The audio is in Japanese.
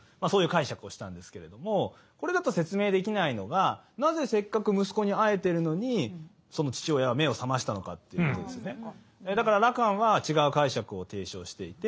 そういう解釈をしたんですけれどもこれだと説明できないのがなぜせっかく息子に会えているのにその父親は目を覚ましたのかっていうことですよね。